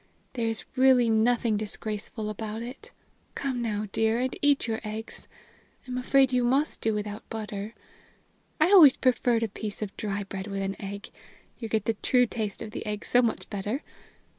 There is really nothing disgraceful about it. Come now, dear, and eat your eggs I'm afraid you must do without butter. I always preferred a piece of dry bread with an egg you get the true taste of the egg so much better.